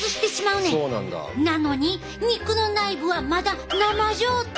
なのに肉の内部はまだ生状態。